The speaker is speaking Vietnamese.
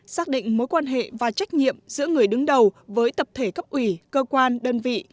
xác định mối quan hệ và trách nhiệm giữa người đứng đầu với tập thể cấp ủy cơ quan đơn vị